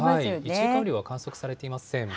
１時間雨量は観測されていません。